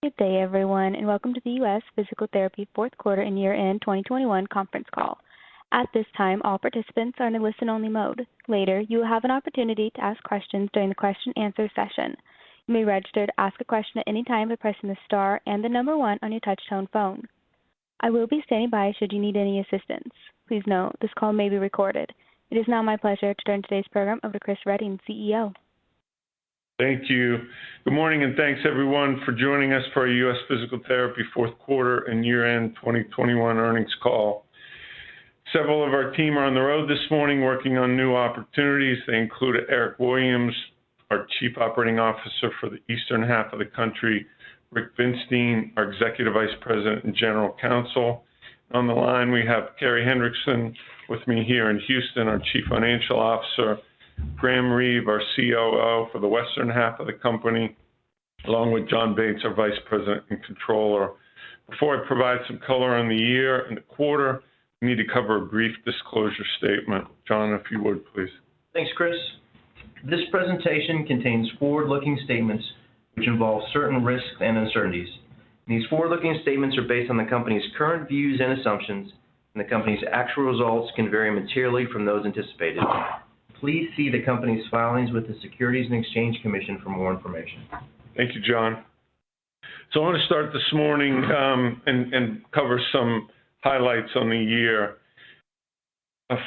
Good day everyone, and welcome to the U.S. Physical Therapy fourth quarter and year-end 2021 conference call. At this time, all participants are in listen only mode. Later, you will have an opportunity to ask questions during the question and answer session. You may register to ask a question at any time by pressing the star and the number one on your touch tone phone. I will be standing by should you need any assistance. Please note, this call may be recorded. It is now my pleasure to turn today's program over to Chris Reading, CEO. Thank you. Good morning, and thanks everyone for joining us for our U.S. Physical Therapy fourth quarter and year-end 2021 earnings call. Several of our team are on the road this morning working on new opportunities. They include Eric Williams, our Chief Operating Officer for the eastern half of the country, Rick Binstein, our Executive Vice President and General Counsel. On the line, we have Carey Hendrickson with me here in Houston, our Chief Financial Officer, Graham Reeve, our COO for the western half of the company, along with Jon Bates, our Vice President and Controller. Before I provide some color on the year and the quarter, we need to cover a brief disclosure statement. Jon, if you would, please. Thanks, Chris. This presentation contains forward-looking statements which involve certain risks and uncertainties. These forward-looking statements are based on the company's current views and assumptions, and the company's actual results can vary materially from those anticipated. Please see the company's filings with the Securities and Exchange Commission for more information. Thank you, Jon. I wanna start this morning and cover some highlights on the year.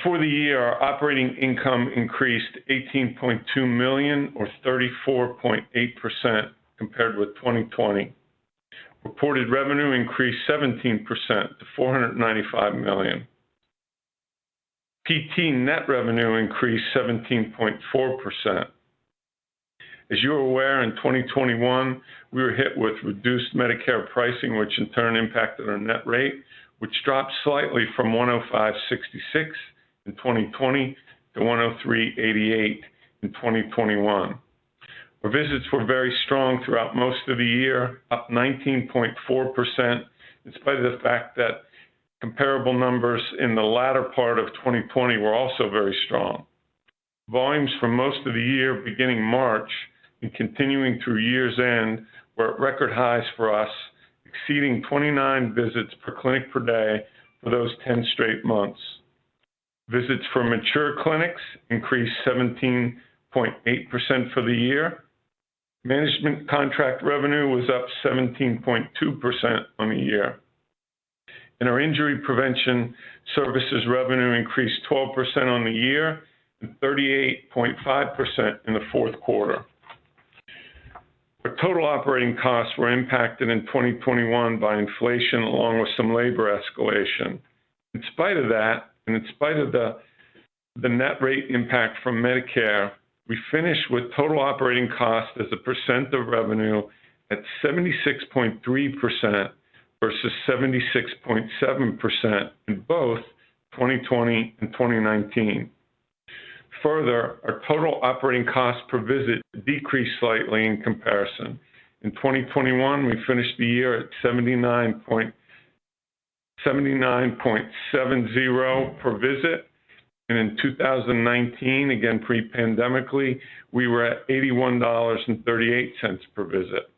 For the year, our operating income increased $18.2 million or 34.8% compared with 2020. Reported revenue increased 17% to $495 million. PT net revenue increased 17.4%. As you're aware, in 2021 we were hit with reduced Medicare pricing, which in turn impacted our net rate, which dropped slightly from $105.66 in 2020 to $103.88 in 2021. Our visits were very strong throughout most of the year, up 19.4%, in spite of the fact that comparable numbers in the latter part of 2020 were also very strong. Volumes for most of the year, beginning March and continuing through year's end, were at record highs for us, exceeding 29 visits per clinic per day for those 10 straight months. Visits from mature clinics increased 17.8% for the year. Management contract revenue was up 17.2% on the year. Our injury prevention services revenue increased 12% on the year and 38.5% in the fourth quarter. Our total operating costs were impacted in 2021 by inflation, along with some labor escalation. In spite of that, and in spite of the net rate impact from Medicare, we finish with total operating costs as a percent of revenue at 76.3% versus 76.7% in both 2020 and 2019. Further, our total operating costs per visit decreased slightly in comparison. In 2021, we finished the year at $79.70 per visit, and in 2019, again pre-pandemically, we were at $81.38 per visit.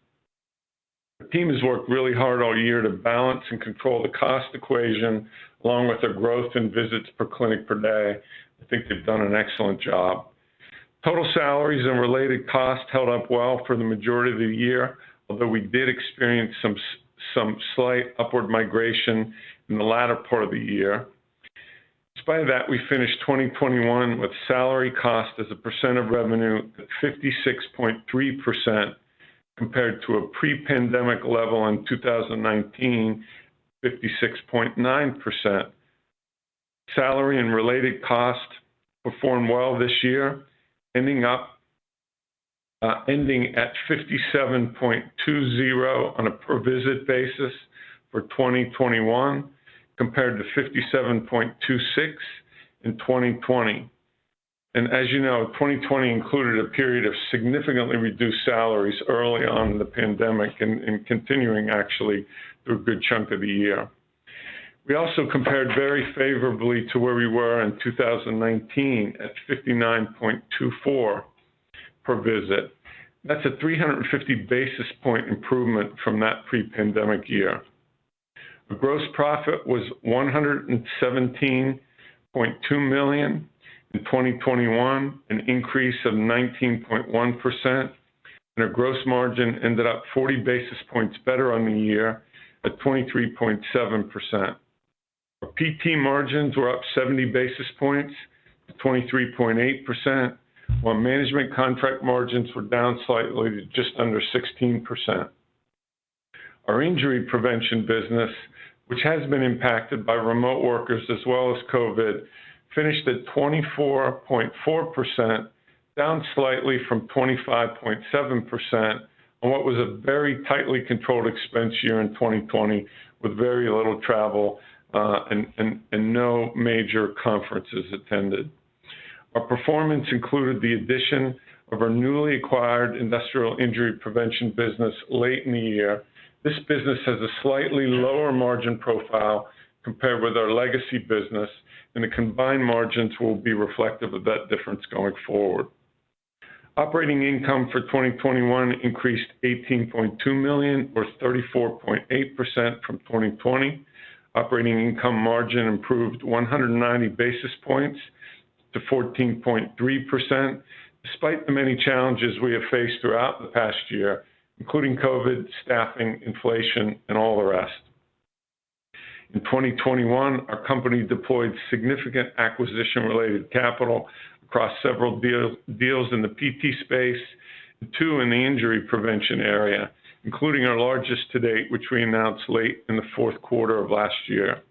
The team has worked really hard all year to balance and control the cost equation, along with our growth in visits per clinic per day. I think they've done an excellent job. Total salaries and related costs held up well for the majority of the year, although we did experience some slight upward migration in the latter part of the year. In spite of that, we finished 2021 with salary cost as a percent of revenue at 56.3%, compared to a pre-pandemic level in 2019, 56.9%. Salary and related costs performed well this year, ending up at $57.20 on a per visit basis for 2021, compared to $57.26 in 2020. As you know, 2020 included a period of significantly reduced salaries early on in the pandemic and continuing actually through a good chunk of the year. We also compared very favorably to where we were in 2019 at $59.24 per visit. That's a 350 basis point improvement from that pre-pandemic year. Our gross profit was $117.2 million in 2021, an increase of 19.1%, and our gross margin ended up 40 basis points better on the year at 23.7%. Our PT margins were up 70 basis points to 23.8%, while management contract margins were down slightly to just under 16%. Our injury prevention business, which has been impacted by remote workers as well as COVID, finished at 24.4%, down slightly from 25.7% on what was a very tightly controlled expense year in 2020 with very little travel, and no major conferences attended. Our performance included the addition of our newly acquired industrial injury prevention business late in the year. This business has a slightly lower margin profile compared with our legacy business, and the combined margins will be reflective of that difference going forward. Operating income for 2021 increased $18.2 million, or 34.8% from 2020. Operating income margin improved 190 basis points to 14.3%, despite the many challenges we have faced throughout the past year, including COVID, staffing, inflation, and all the rest. In 2021, our company deployed significant acquisition-related capital across several deals in the PT space, and two in the injury prevention area, including our largest to date, which we announced late in the fourth quarter of last year.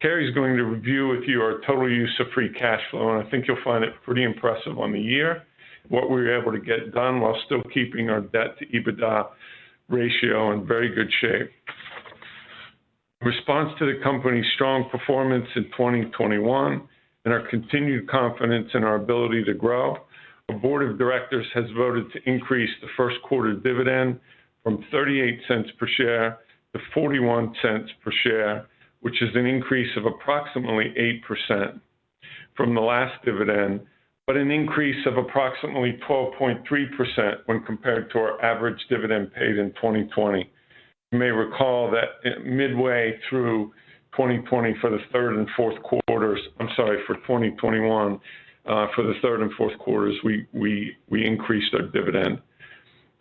Carey's going to review with you our total use of free cash flow, and I think you'll find it pretty impressive on the year, what we were able to get done while still keeping our debt-to-EBITDA ratio in very good shape. In response to the company's strong performance in 2021 and our continued confidence in our ability to grow, our board of directors has voted to increase the first quarter dividend from $0.38 per share to $0.41 per share, which is an increase of approximately 8% from the last dividend, but an increase of approximately 12.3% when compared to our average dividend paid in 2020. You may recall that midway through 2021 for the third and fourth quarters, we increased our dividend.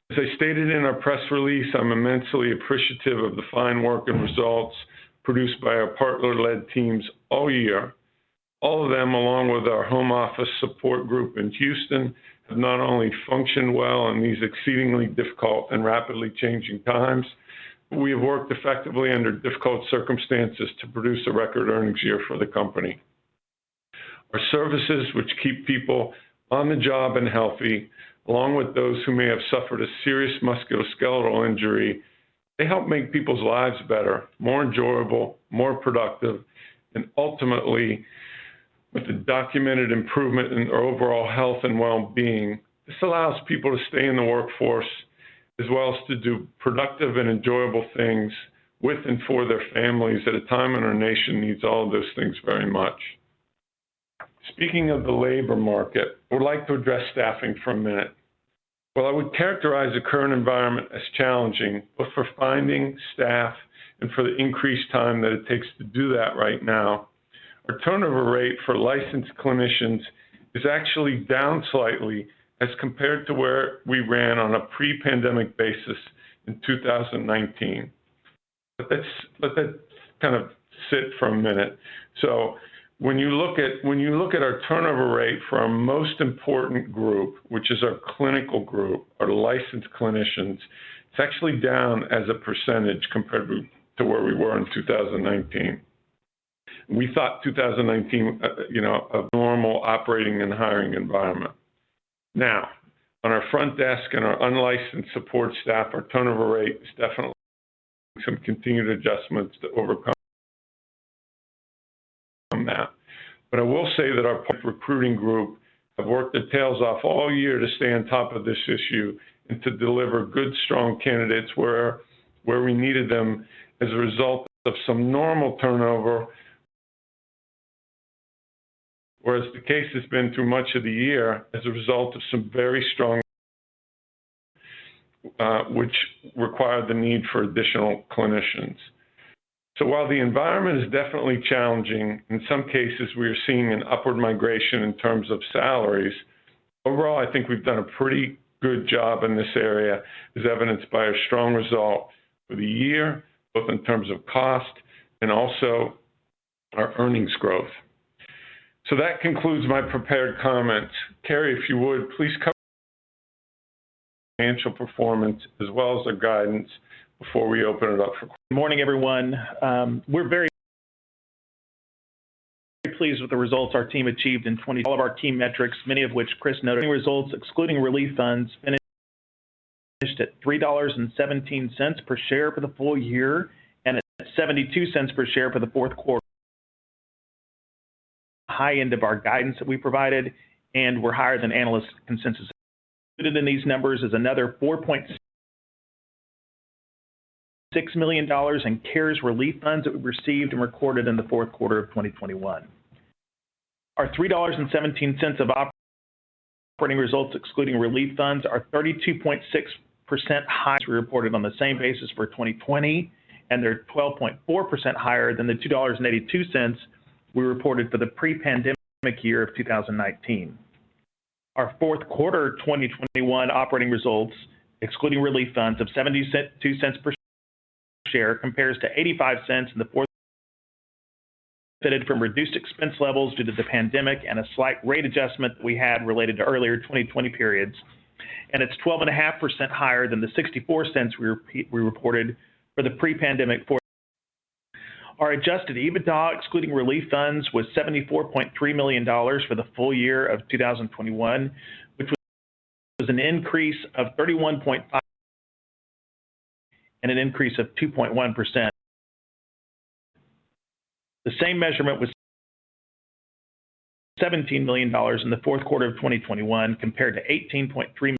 As I stated in our press release, I'm immensely appreciative of the fine work and results produced by our partner-led teams all year. All of them, along with our home office support group in Houston, have not only functioned well in these exceedingly difficult and rapidly changing times, but we have worked effectively under difficult circumstances to produce a record earnings year for the company. Our services, which keep people on the job and healthy, along with those who may have suffered a serious musculoskeletal injury, they help make people's lives better, more enjoyable, more productive, and ultimately, with a documented improvement in their overall health and well-being. This allows people to stay in the workforce as well as to do productive and enjoyable things with and for their families at a time when our nation needs all of those things very much. Speaking of the labor market, I would like to address staffing for a minute. While I would characterize the current environment as challenging, both for finding staff and for the increased time that it takes to do that right now, our turnover rate for licensed clinicians is actually down slightly as compared to where we ran on a pre-pandemic basis in 2019. Let's let that kind of sit for a minute. When you look at our turnover rate for our most important group, which is our clinical group, our licensed clinicians, it's actually down as a percentage compared to where we were in 2019. We thought 2019, you know, a normal operating and hiring environment. Now, on our front desk and our unlicensed support staff, our turnover rate is definitely up. Some continued adjustments to overcome that. I will say that our recruiting group have worked their tails off all year to stay on top of this issue and to deliver good, strong candidates where we needed them as a result of some normal turnover. Whereas the case has been through much of the year as a result of some very strong growth, which required the need for additional clinicians. While the environment is definitely challenging, in some cases, we are seeing an upward migration in terms of salaries. Overall, I think we've done a pretty good job in this area, as evidenced by our strong result for the year, both in terms of cost and also our earnings growth. That concludes my prepared comments. Carey, if you would, please cover financial performance as well as our guidance before we open it up for- Good morning, everyone. We're very pleased with the results our team achieved. All of our team metrics, many of which Chris noted. Results excluding relief funds finished at $3.17 per share for the full year and at $0.72 per share for the fourth quarter, the high end of our guidance that we provided, and we're higher than analyst consensus. Included in these numbers is another $4.6 million in CARES relief funds that we received and recorded in the fourth quarter of 2021. Our $3.17 of operating results excluding relief funds are 32.6% higher than we reported on the same basis for 2020, and they're 12.4% higher than the $2.82 we reported for the pre-pandemic year of 2019. Our fourth quarter 2021 operating results, excluding relief funds, of $0.72 per share compares to $0.85 in the fourth from reduced expense levels due to the pandemic and a slight rate adjustment that we had related to earlier 2020 periods. It's 12.5% higher than the $0.64 we reported for the pre-pandemic fourth. Our adjusted EBITDA, excluding relief funds, was $74.3 million for the full year of 2021, which was an increase of $31.5 million and an increase of 2.1%. The same measurement was $17 million in the fourth quarter of 2021 compared to $18.3 million,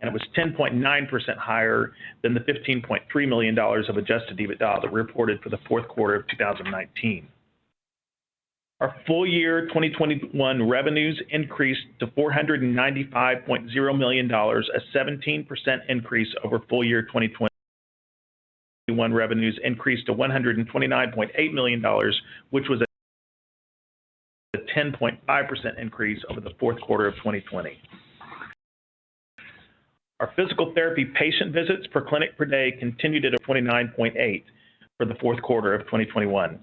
and it was $10.9 million higher than the $15.3 million of adjusted EBITDA that we reported for the fourth quarter of 2019. Our full year 2021 revenues increased to $495.0 million, a 17% increase over full year 2020. Fourth quarter 2021 revenues increased to $129.8 million, which was a 10.5% increase over the fourth quarter of 2020. Our physical therapy patient visits per clinic per day continued at 29.8 for the fourth quarter of 2021.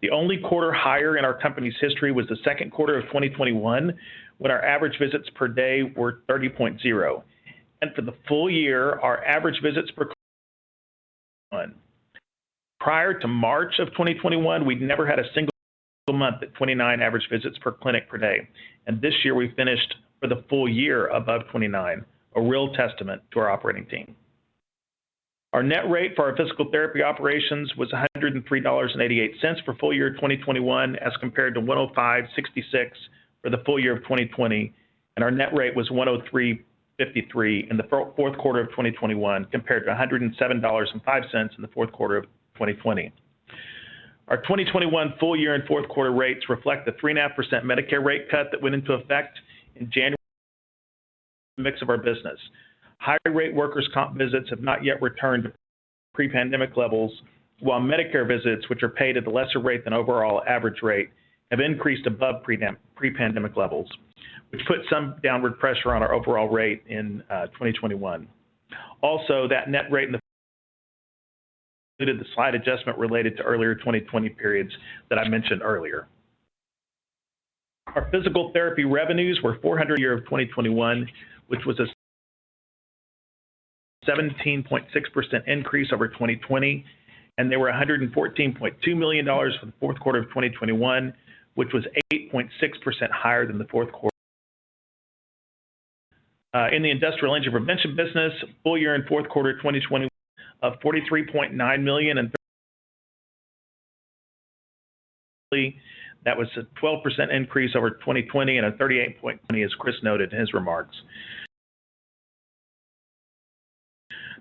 The only quarter higher in our company's history was the second quarter of 2021, when our average visits per day were 30.0. For the full year, our average visits per one. Prior to March 2021, we'd never had a single month at 29 average visits per clinic per day. This year we finished for the full year above 29. A real testament to our operating team. Our net rate for our physical therapy operations was $103.88 for full year 2021, as compared to $105.66 for the full year of 2020. Our net rate was $103.53 in the fourth quarter of 2021, compared to $107.05 in the fourth quarter of 2020. Our 2021 full year and fourth quarter rates reflect the 3.5% Medicare rate cut that went into effect in January of our business. Higher rate workers' comp visits have not yet returned to pre-pandemic levels, while Medicare visits, which are paid at a lesser rate than overall average rate, have increased above pre-pandemic levels, which put some downward pressure on our overall rate in 2021. Also, that net rate included the slide adjustment related to earlier 2020 periods that I mentioned earlier. Our physical therapy revenues were $404 million for the year of 2021, which was a 17.6% increase over 2020, and they were $114.2 million for the fourth quarter of 2021, which was 8.6% higher than the fourth quarter. In the Industrial Injury Prevention business, full year and fourth quarter 2021 $43.9 million and... That was a 12% increase over 2020 and a 38.20, as Chris noted in his remarks.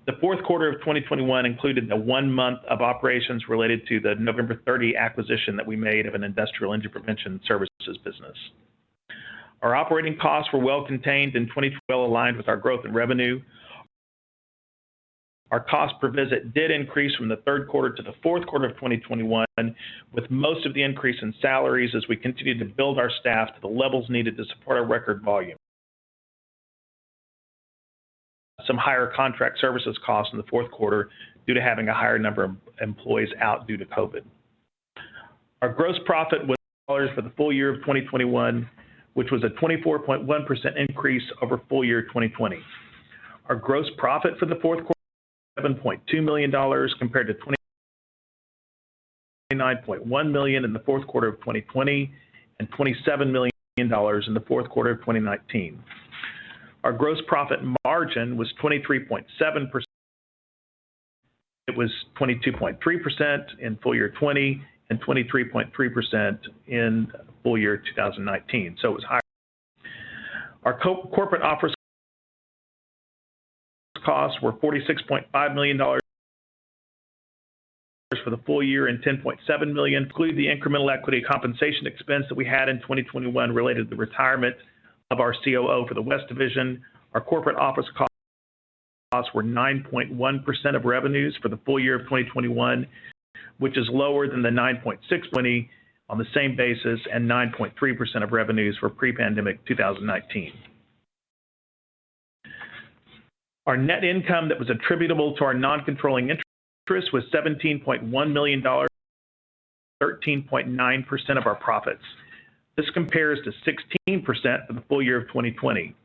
The fourth quarter of 2021 included the one month of operations related to the November 30 acquisition that we made of an Industrial Injury Prevention Services business. Our operating costs were well contained in 2021 aligned with our growth in revenue. Our cost per visit did increase from the third quarter to the fourth quarter of 2021, with most of the increase in salaries as we continued to build our staff to the levels needed to support our record volume. Some higher contract services costs in the fourth quarter due to having a higher number of employees out due to COVID. Our gross profit was for the full year of 2021, which was a 24.1% increase over full year 2020. Our gross profit for the fourth quarter, $7.2 million compared to $29.1 million in the fourth quarter of 2020 and $27 million in the fourth quarter of 2019. Our gross profit margin was 23.7%. It was 22.3% in full year 2020 and 23.3% in full year 2019, so it was high. Our corporate office costs were $46.5 million for the full year and $10.7 million, including the incremental equity compensation expense that we had in 2021 related to the retirement of our COO for the West Division. Our corporate office costs were 9.1% of revenues for the full year of 2021, which is lower than the 9.6% in 2020 on the same basis and 9.3% of revenues for pre-pandemic 2019. Our net income that was attributable to our noncontrolling interest was $17.1 million, 13.9% of our profits. This compares to 16% for the full year of 2020.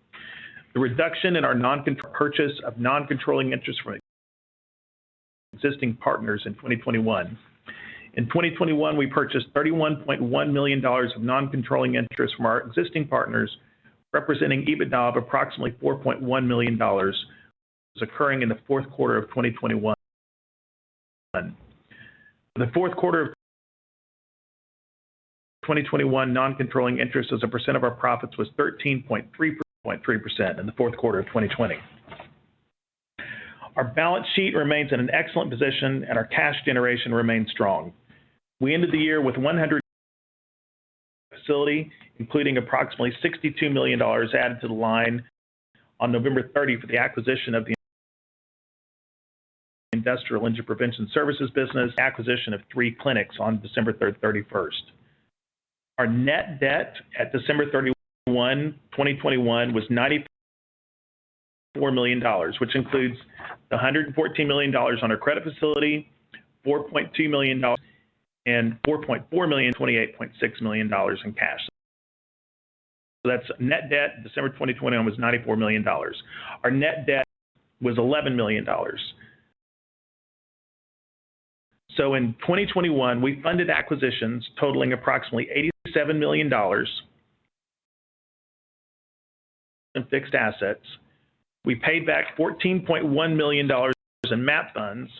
In 2021, we purchased $31.1 million of noncontrolling interest from our existing partners, representing EBITDA of approximately $4.1 million, occurring in the fourth quarter of 2021. In the fourth quarter of 2021, non-controlling interest as a percent of our profits was 13.3%, 0.3% in the fourth quarter of 2020. Our balance sheet remains in an excellent position, and our cash generation remains strong. We ended the year with 100 facilities, including approximately $62 million added to the line on November 30 for the acquisition of the Industrial Injury Prevention Services business, acquisition of three clinics on December 31. Our net debt at December 31, 2021 was $94 million, which includes $114 million on our credit facility, $4.2 million and $4.4 million, $28.6 million in cash. That's net debt. December 2021 was $94 million. Our net debt was $11 million. In 2021, we funded acquisitions totaling approximately $87 million in fixed assets. We paid back $14.1 million in MAP funds.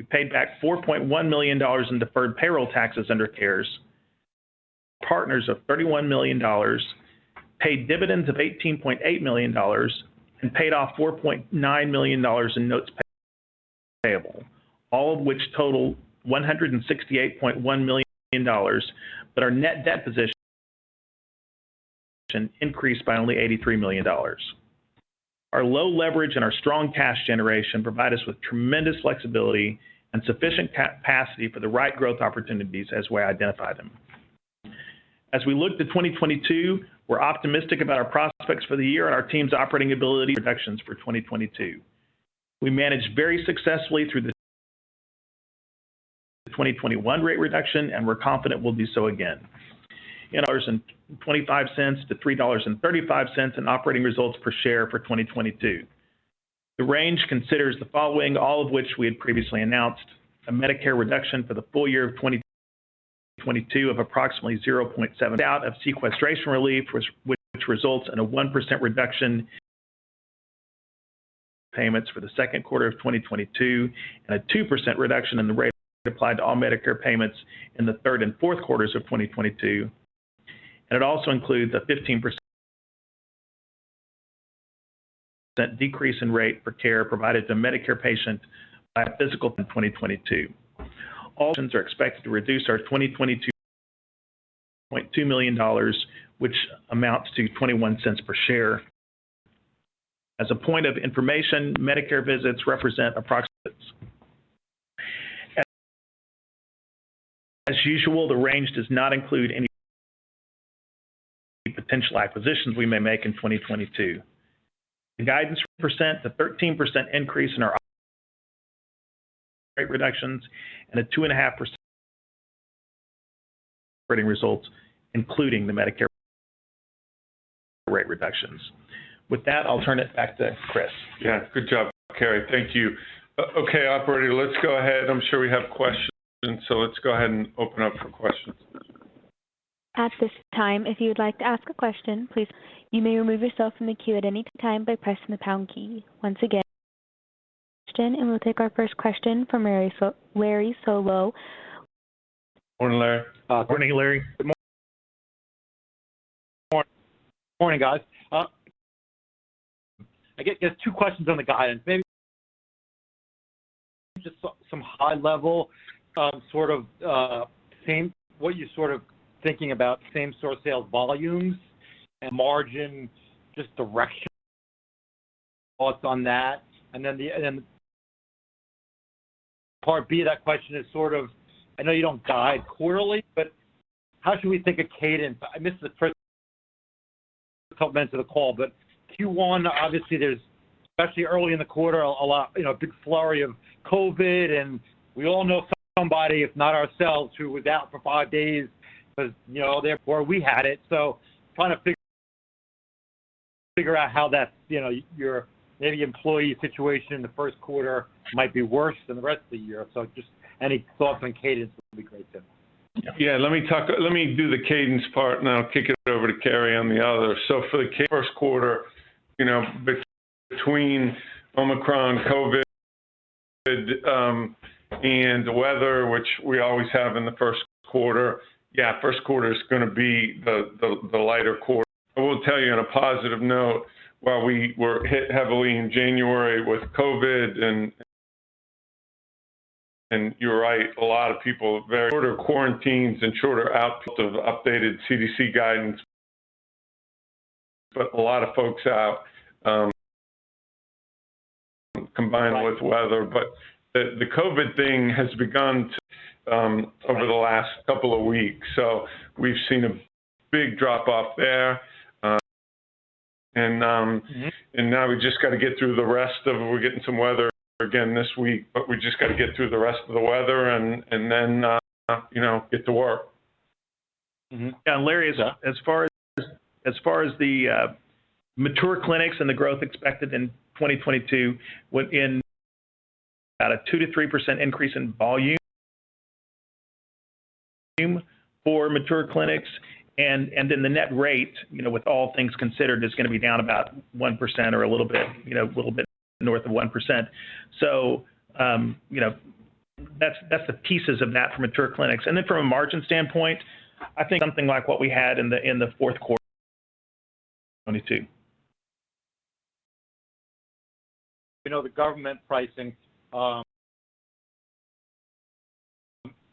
We paid back $4.1 million in deferred payroll taxes under CARES. Partners of $31 million. Paid dividends of $18.8 million. Paid off $4.9 million in notes payable. All of which total $168.1 million. Our net debt position increased by only $83 million. Our low leverage and our strong cash generation provide us with tremendous flexibility and sufficient capacity for the right growth opportunities as we identify them. As we look to 2022, we're optimistic about our prospects for the year and our team's operating ability projections for 2022. We managed very successfully through the 2021 rate reduction, and we're confident we'll do so again. In $0.25-$3.35 in operating results per share for 2022. The range considers the following, all of which we had previously announced, a Medicare reduction for the full year of 2022 of approximately 0.7% out of sequestration relief, which results in a 1% reduction in payments for the second quarter of 2022, and a 2% reduction in the rate applied to all Medicare payments in the third and fourth quarters of 2022. It also includes a 15% decrease in rate for care provided to Medicare patients by a physical in 2022. All options are expected to reduce our 2022 $22.2 million, which amounts to $0.21 per share. As a point of information, Medicare visits represent approximately. As usual, the range does not include any potential acquisitions we may make in 2022. The guidance percent, the 13% increase in our rate reductions and a 2.5% operating results, including the Medicare rate reductions. With that, I'll turn it back to Chris. Yeah, good job, Carey. Thank you. Okay, operator, let's go ahead. I'm sure we have questions, so let's go ahead and open up for questions. Once again, we'll take our first question from Larry Solow. Morning, Larry. Good morning, Larry. Good morning. Morning, guys. I get two questions on the guidance. Maybe just some high level, sort of, what you're sort of thinking about same-store sales volumes and margins, just direction, thoughts on that. Part B, that question is sort of, I know you don't guide quarterly, but how should we think of cadence? I missed the first couple minutes of the call, but Q1 obviously there's especially early in the quarter a lot, you know, a big flurry of COVID and we all know somebody, if not ourselves, who was out for five days 'cause you know they had it. Trying to figure out how that, you know, your maybe employee situation in the first quarter might be worse than the rest of the year. Just any thoughts on cadence would be great then. Yeah. Let me talk, let me do the cadence part and I'll kick it over to Carey on the other. For the first quarter, you know, between Omicron, COVID, and the weather which we always have in the first quarter, yeah, first quarter is gonna be the lighter quarter. I will tell you on a positive note, while we were hit heavily in January with COVID and you're right, a lot of people shorter quarantines and shorter outputs of updated CDC guidance put a lot of folks out, combined with weather. The COVID thing has begun to over the last couple of weeks, so we've seen a big drop off there. Now we just gotta get through the rest. We're getting some weather again this week, but we just gotta get through the rest of the weather and then you know get to work. Mm-hmm. Yeah, Larry, as far as the mature clinics and the growth expected in 2022 within about a 2%-3% increase in volume for mature clinics. Then the net rate, you know, with all things considered, is gonna be down about 1% or a little bit, you know, a little bit north of 1%. You know, that's the pieces of that for mature clinics. Then from a margin standpoint, I think something like what we had in the fourth quarter 2022. You know, the government pricing, so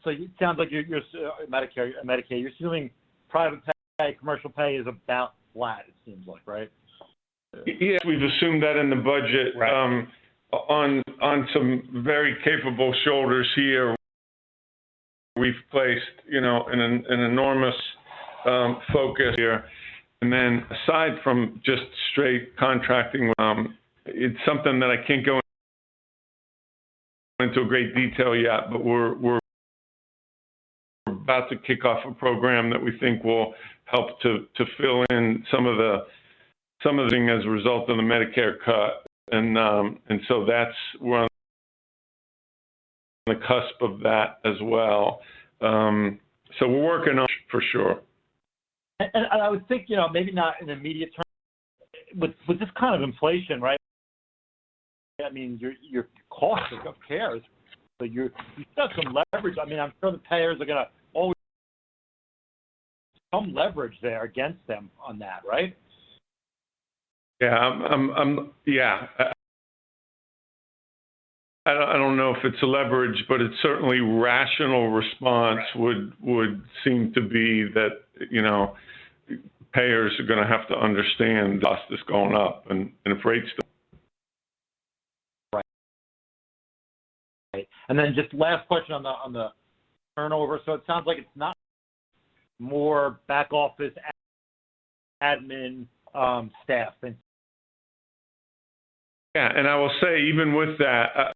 it sounds like you're Medicare, Medicaid, you're assuming private pay, commercial pay is about flat it seems like, right? Yes, we've assumed that in the budget. Right. On some very capable shoulders here. We've placed, you know, an enormous focus here. Aside from just straight contracting, it's something that I can't go into great detail yet, but we're about to kick off a program that we think will help to fill in some of the things as a result of the Medicare cut. That's. We're on the cusp of that as well. We're working on for sure. I would think, you know, maybe not in immediate term, but with this kind of inflation, right, that means your cost of care, but you still have some leverage. I mean, I'm sure the payers are gonna always Some leverage there against them on that, right? I don't know if it's a leverage, but it's certainly rational response would seem to be that, you know, payers are gonna have to understand cost is going up, and if rates go Right. Just last question on the turnover. It sounds like it's not more back office admin staff and- Yeah. I will say even with that,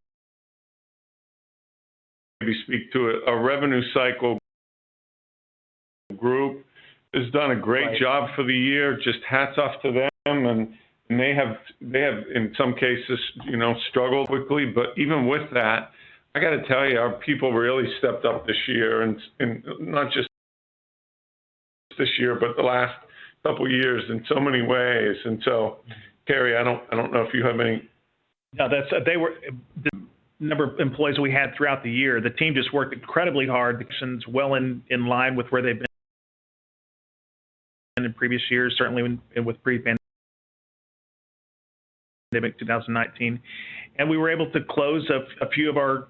our revenue cycle group has done a great job for the year. Just hats off to them, and they have in some cases, you know, struggled quickly. Even with that, I gotta tell you, our people really stepped up this year and not just this year, but the last couple years in so many ways. Carey, I don't know if you have any- No, that's the number of employees we had throughout the year. The team just worked incredibly hard. Actions well in line with where they've been in previous years, certainly with pre-pandemic 2019. We were able to close a few of our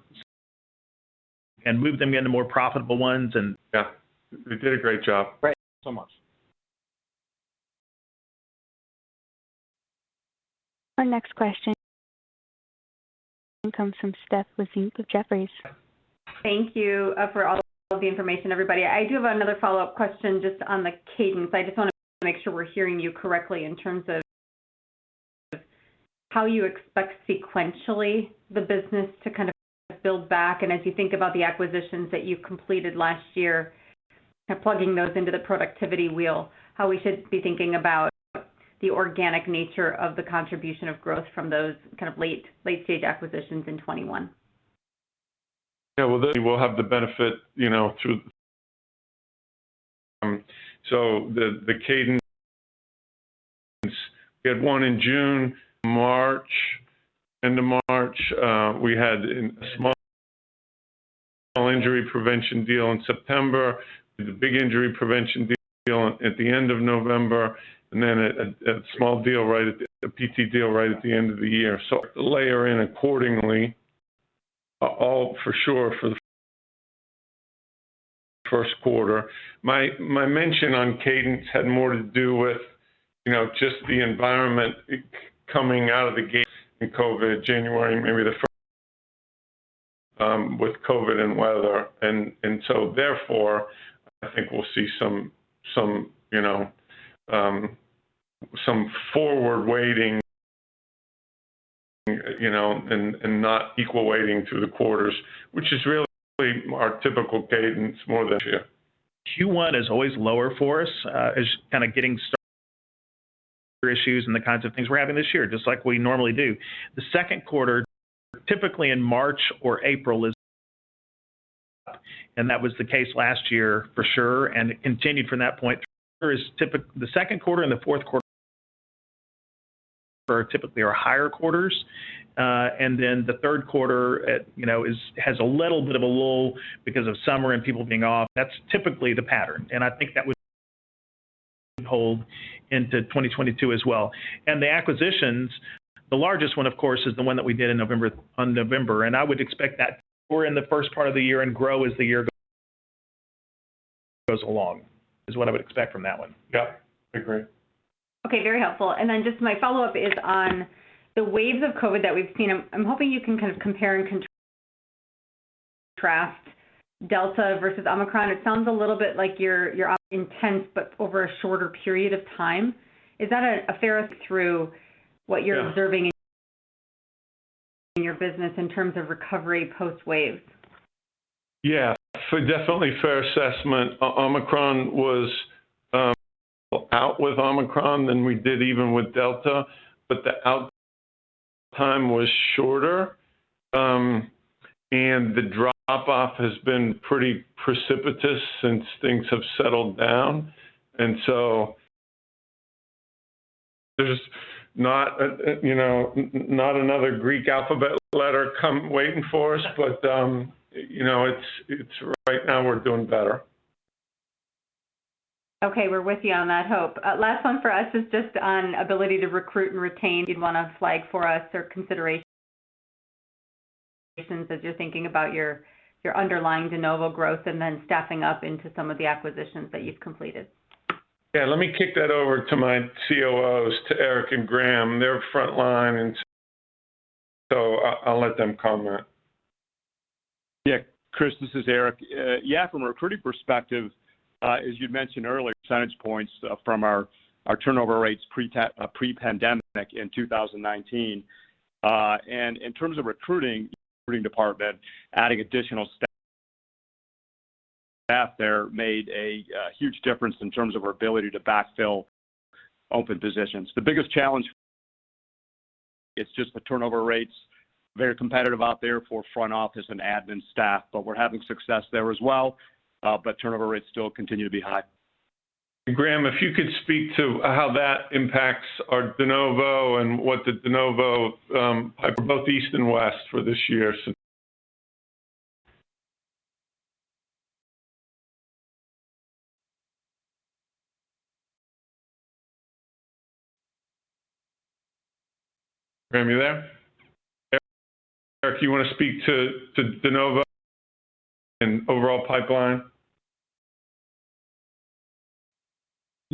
and move them into more profitable ones. Yeah. They did a great job. Right. Thank you so much. Our next question comes from Stephanie Wissink of Jefferies. Thank you for all the information, everybody. I do have another follow-up question just on the cadence. I just wanna make sure we're hearing you correctly in terms of how you expect sequentially the business to kind of build back. As you think about the acquisitions that you've completed last year, plugging those into the productivity wheel, how we should be thinking about the organic nature of the contribution of growth from those kind of late-stage acquisitions in 2021? Yeah. Well, we'll have the benefit, you know, through. So the cadence, we had one end of March. We had a small injury prevention deal in September. We had a big injury prevention deal at the end of November, and then a small PT deal right at the end of the year. So layer in accordingly, all for sure for the first quarter. My mention on cadence had more to do with, you know, just the environment coming out of the gate in COVID, January, maybe the first with COVID and weather. So therefore, I think we'll see some forward weighting, you know, and not equal weighting through the quarters, which is really our typical cadence more than. Q1 is always lower for us as kind of getting started issues and the kinds of things we're having this year, just like we normally do. The second quarter, typically in March or April is, and that was the case last year for sure, and it continued from that point. The second quarter and the fourth quarter typically are higher quarters. The third quarter, you know, has a little bit of a lull because of summer and people being off. That's typically the pattern, and I think that would hold into 2022 as well. The acquisitions, the largest one, of course, is the one that we did in November, on November. I would expect that more in the first part of the year and grow as the year goes along, is what I would expect from that one. Yeah. Agree. Okay. Very helpful. Just my follow-up is on the waves of COVID that we've seen. I'm hoping you can kind of compare and contrast Delta versus Omicron. It sounds a little bit like it's intense, but over a shorter period of time. Is that a fair take on what you're observing in your business in terms of recovery post-wave? Yeah. Definitely fair assessment. The out time with Omicron was worse than even with Delta, but the out time was shorter. The drop off has been pretty precipitous since things have settled down. There's not, you know, not another Greek alphabet letter come waiting for us. It's right now we're doing better. Okay. We're with you on that hope. Last one for us is just on ability to recruit and retain. You'd wanna flag for us or considerations as you're thinking about your underlying de novo growth and then staffing up into some of the acquisitions that you've completed. Yeah, let me kick that over to my COOs, to Eric and Graham. They're front line and so I'll let them comment. Yeah. Chris, this is Eric. Yeah, from a recruiting perspective, as you'd mentioned earlier, percentage points from our turnover rates pre-pandemic in 2019. In terms of recruiting department, adding additional staff there made a huge difference in terms of our ability to backfill open positions. The biggest challenge, it's just the turnover rates, very competitive out there for front office and admin staff, but we're having success there as well. Turnover rates still continue to be high. Graham, if you could speak to how that impacts our de novo and what the de novo both East and West for this year. Graham, you there? Eric, you wanna speak to de novo and overall pipeline?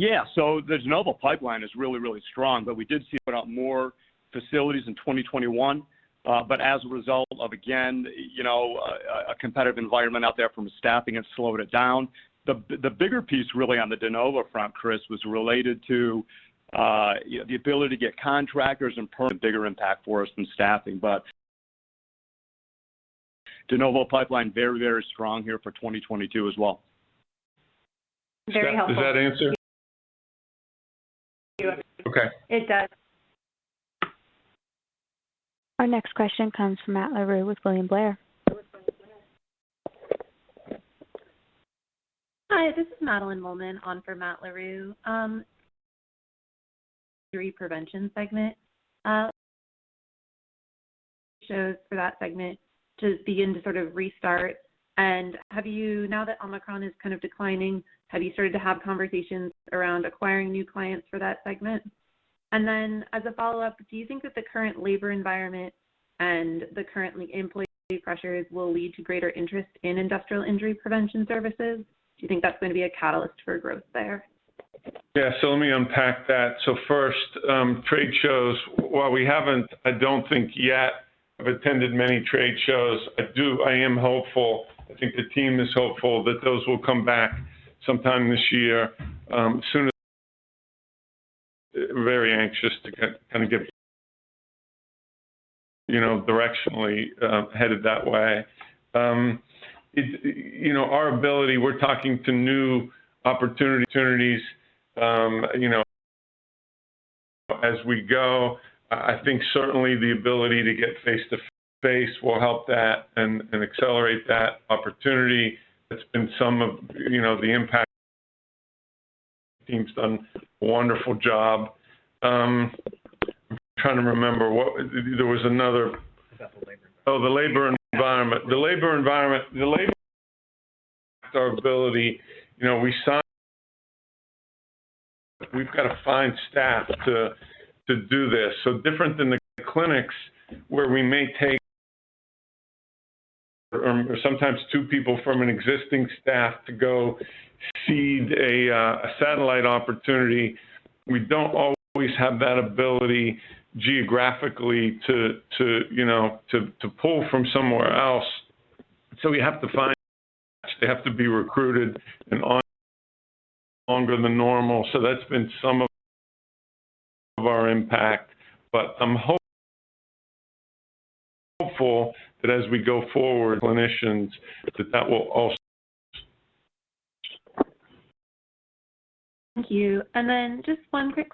Yeah. The de novo pipeline is really, really strong, but we did see about 20 more facilities in 2021. As a result of again, you know, a competitive environment out there from staffing, it slowed it down. The bigger piece really on the de novo front, Chris, was related to the ability to get contractors and permits. Bigger impact for us than staffing. De novo pipeline, very, very strong here for 2022 as well. Does that answer? Very helpful. Okay. It does. Our next question comes from Matt Larew with William Blair. Hi, this is Madeline Mollman on for Matt Larew. Injury prevention segment, how's that segment to begin to sort of restart. Now that Omicron is kind of declining, have you started to have conversations around acquiring new clients for that segment? Then as a follow-up, do you think that the current labor environment and the current employee pressures will lead to greater interest in industrial injury prevention services? Do you think that's gonna be a catalyst for growth there? Yeah. Let me unpack that. First, trade shows. While we haven't, I don't think yet, have attended many trade shows, I am hopeful, I think the team is hopeful that those will come back sometime this year, soon as. Very anxious to kinda get, you know, directionally headed that way. You know, our ability, we're talking to new opportunities, you know, as we go. I think certainly the ability to get face-to-face will help that and accelerate that opportunity. That's been some of, you know, the impact. Team's done a wonderful job. I'm trying to remember what. There was another. About the labor environment. The labor environment. Our ability. You know, we've gotta find staff to do this. Different than the clinics where we may take sometimes two people from an existing staff to go seed a satellite opportunity. We don't always have that ability geographically to you know to pull from somewhere else. We have to find. They have to be recruited and on longer than normal. That's been some of our impact. I'm hopeful that as we go forward, clinicians, that will also. Thank you. Just one quick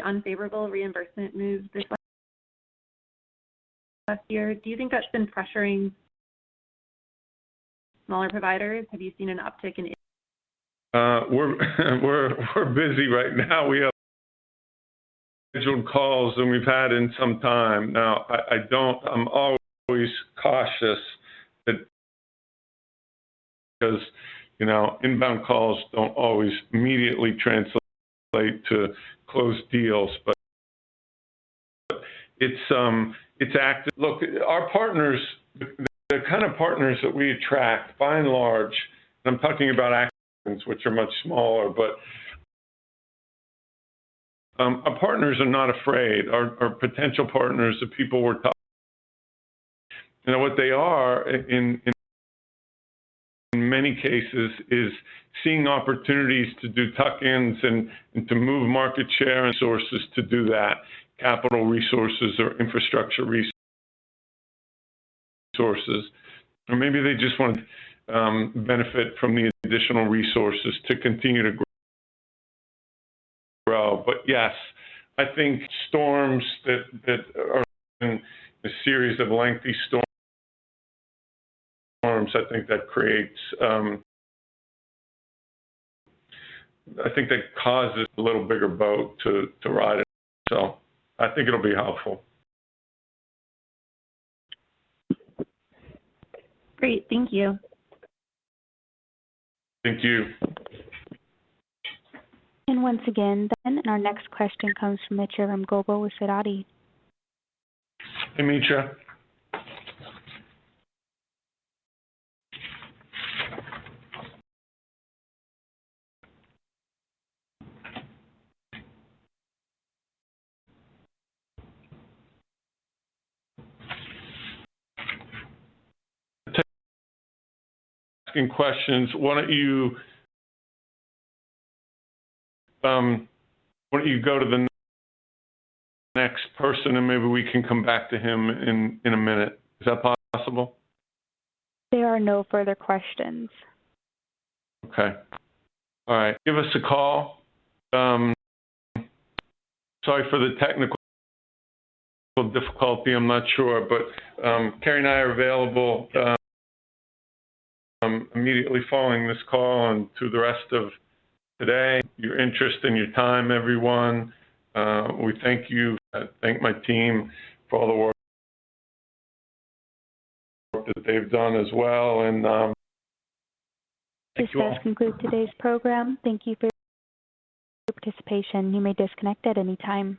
question. The unfavorable reimbursement move this last year. Do you think that's been pressuring smaller providers? Have you seen an uptick in- We're busy right now. We have more scheduled calls than we've had in some time. Now, I'm always cautious because, you know, inbound calls don't always immediately translate to closed deals. It's active. Look, our partners, the kind of partners that we attract by and large, and I'm talking about acquisitions, which are much smaller, our partners are not afraid. Our potential partners, the people we're talking to, you know, what they are in many cases is seeing opportunities to do tuck-ins and to move market share and resources to do that, capital resources or infrastructure resources. Or maybe they just want to benefit from the additional resources to continue to grow. Yes, I think storms that are in a series of lengthy storms, I think that creates. I think that causes a little bigger boat to ride out. I think it'll be helpful. Great. Thank you. Thank you. Once again, Ben, our next question comes from Mitra Ramgopal with Sidoti. Hey, Mitra. Asking questions. Why don't you go to the next person, and maybe we can come back to him in a minute. Is that possible? There are no further questions. Okay. All right. Give us a call. Sorry for the technical difficulty. I'm not sure. Carey and I are available immediately following this call and through the rest of today. For your interest and your time, everyone, we thank you. I thank my team for all the work that they've done as well. Thank you all. This does conclude today's program. Thank you for your participation. You may disconnect at any time.